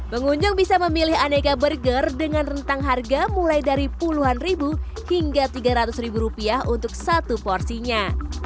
pengunjung bisa memilih aneka burger dengan rentang harga mulai dari puluhan ribu hingga tiga ratus ribu rupiah untuk satu porsinya